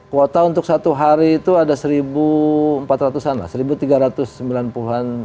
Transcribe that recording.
kuota untuk satu hari itu ada seribu empat ratus an lah seribu tiga ratus sembilan puluh an